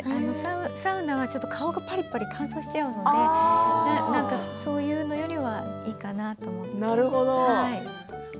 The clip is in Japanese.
サウナは顔がパリパリ乾燥しちゃうのでそういうのよりはいいかなと思って。